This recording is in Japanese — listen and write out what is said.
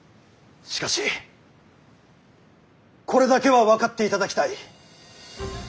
しかしこれだけは分かっていただきたい。